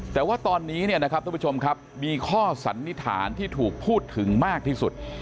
แต่ว่าตอนนี้นะครับมีข้อสันนิษฐานที่ถูกพูดถึงมากที่สุด